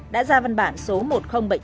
đã ra văn bản số một nghìn bảy mươi chín